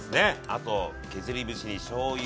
あと削り節にしょうゆも。